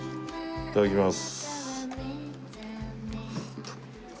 いただきます。